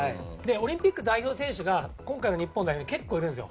オリンピック代表選手が今回の日本代表には結構いるんです。